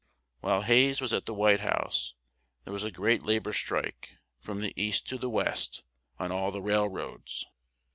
While Hayes was at the White House, there was a great la bor strike, from the East to the West, on all the rail roads.